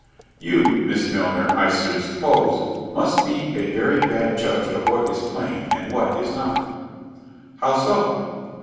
"You, Miss Milner, I should suppose, must be a very bad judge of what is plain, and what is not." "How so?"